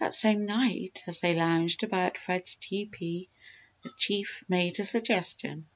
That same night, as they lounged about Fred's teepee, the Chief made a suggestion.